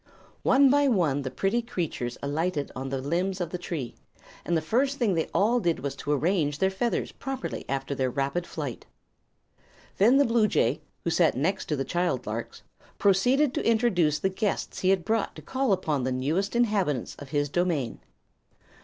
One by one the pretty creatures alighted upon the limbs of the tree, and the first thing they all did was to arrange their feathers properly after their rapid flight. Then the bluejay, who sat next to the child larks, proceeded to introduce the guests he had brought to call upon the newest inhabitants of his domain.